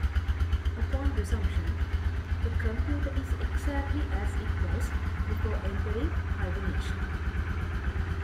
Upon resumption, the computer is exactly as it was before entering hibernation.